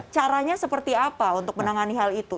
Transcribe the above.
caranya seperti apa untuk menangani hal itu